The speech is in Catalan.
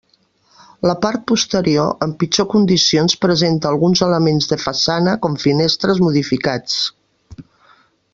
La part posterior, en pitjors condicions, presenta alguns elements de façana, com finestres, modificats.